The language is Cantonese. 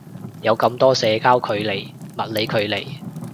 有咁多社交距離物理距離